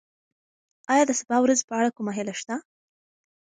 ایا د سبا ورځې په اړه کومه هیله شته؟